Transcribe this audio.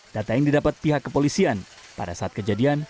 data yang didapat pihak kepolisian pada saat kejadian